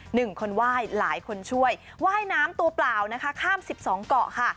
หนึ่งคนไหว้หลายคนช่วยไหว้น้ำตัวเปล่าข้าม๑๒เกาะค่ะ